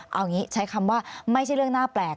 เอาอย่างนี้ใช้คำว่าไม่ใช่เรื่องน่าแปลก